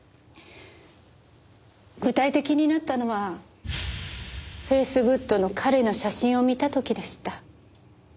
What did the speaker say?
具体的になったのはフェイスグッドの彼の写真を見た時でした。